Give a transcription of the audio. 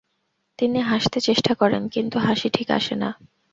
তিনি হাসতে চেষ্টা করেন, কিন্তু হাসি ঠিক আসে না।